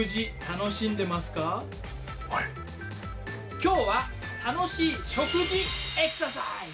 今日は楽しい食事エクササイズ。